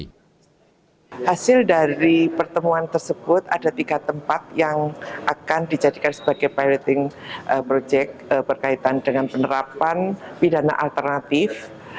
hasil dari pertemuan tersebut ada tiga tempat yang akan dijadikan sebagai pilarting project berkaitan dengan penerapan pidana alternatif